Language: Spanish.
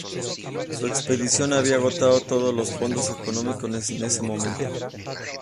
Su expedición había agotado todos los fondos económicos en ese momento.